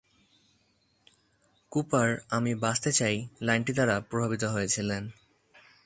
Cooper "আমি বাঁচতে চাই" লাইনটি দ্বারা প্রভাবিত হয়েছিলেন।